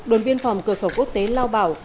đồn biên phòng cửa khẩu quốc tế lao bảo